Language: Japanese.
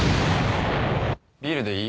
ビールでいい？